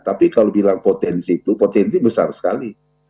tapi kalau bilang potensi itu potensi besar sekali